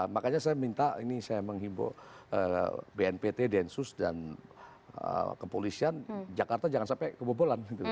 makanya saya minta ini saya menghimbau bnpt densus dan kepolisian jakarta jangan sampai kebobolan